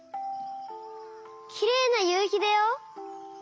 きれいなゆうひだよ！